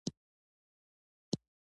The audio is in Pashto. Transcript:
بزګر باید څنګه وي؟